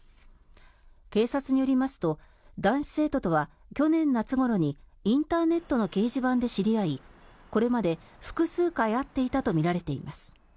警察によりますと男子生徒とは去年夏ごろにインターネットの掲示板で知り合いこれまで複数回会っていたとみられます。